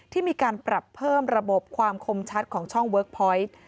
ที่มีการปรับเพิ่มระบบความคมชัดของช่องเวิร์คพอยต์